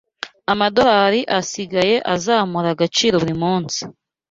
amadolari asigaye azamura agaciro buri munsi